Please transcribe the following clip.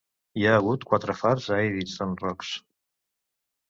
Hi ha hagut quatre fars a Eddystone Rocks.